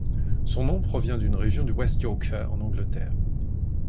Son nom provient d'une région de West Yorkshire en Angleterre.